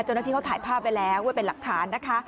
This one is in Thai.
เจ้าหน้าที่เขาถ่ายภาพไว้แล้วไว้เป็นหลักฐานนะคะ